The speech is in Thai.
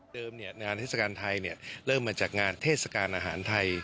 งานเทศกาลไทยเริ่มมาจากงานเทศกาลอาหารไทย